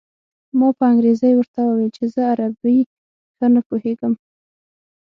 ما په انګرېزۍ ورته وویل چې زه عربي ښه نه پوهېږم.